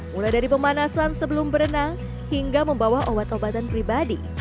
mulai dari pemanasan sebelum berenang hingga membawa obat obatan pribadi